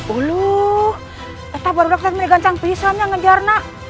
uluuhh kita baru saja bisa mengejarnya